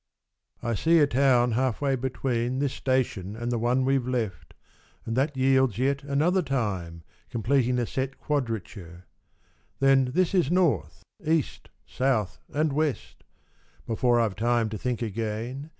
I see a town half way between This station and the one we've left, And that yields yet another time Completing the set quadrature. Then this is North, East, South and West. Before Fve time to think again.